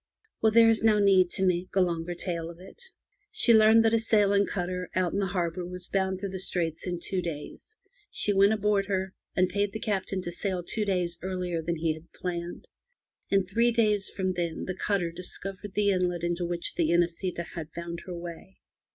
Well, there is no need to make a longer tale of it. She learned that a sailing cutter out in the harbour was bound through the Straits in two days. She went aboard her, and paid the Captain to sail two days earlier than he had planned. In three days from then the cutter discovered the inlet into which the Inesita had found her way.